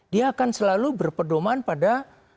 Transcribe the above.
dia akan selalu berpedoman pada